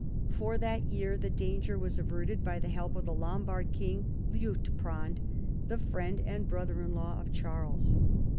For that year the danger was averted by the help of the Lombard king Liut prand, the friend and brother in law of Charles.